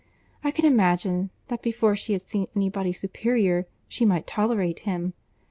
I can imagine, that before she had seen any body superior, she might tolerate him.